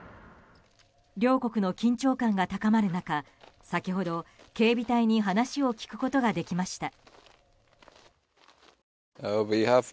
両国の緊張感が高まる中先ほど、警備隊に話を聞くことができました。